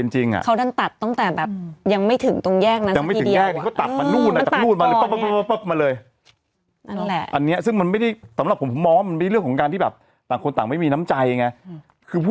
ใช่เพราะว่าเพราะว่าในความเป็นจริงอ่ะเขาดันตัดตั้งแต่แบบ